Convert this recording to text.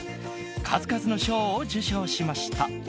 数々の賞を受賞しました。